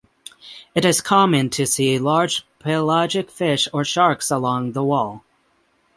It is common to see large pelagic fish or sharks along the wall.